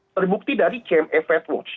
terbukti dari cme fed watch